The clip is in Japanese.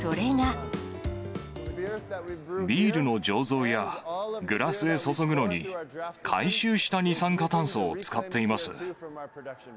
ビールの醸造や、グラスへ注ぐのに、回収した二酸化炭素を使っています。